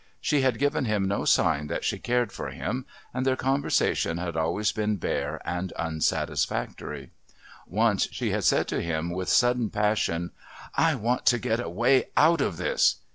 She had given him no sign that she cared for him, and their conversation had always been bare and unsatisfactory. Once she had said to him with sudden passion: "I want to get away out of this."